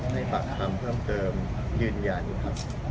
ให้ปากคำเพิ่มเติมยืนยันอยู่ครับ